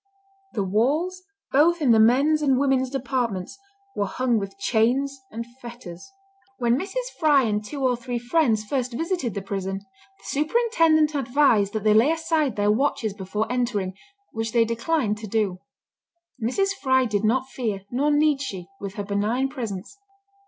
The walls, both in the men's and women's departments, were hung with chains and fetters. When Mrs. Fry and two or three friends first visited the prison, the superintendent advised that they lay aside their watches before entering, which they declined to do. Mrs. Fry did not fear, nor need she, with her benign presence.